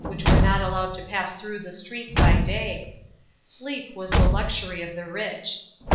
which were not allowed to pass through the streets by day. Slrep was the luxury of the rich.